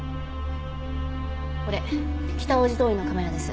これ北大路通のカメラです。